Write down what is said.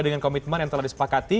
dengan komitmen yang telah disepakati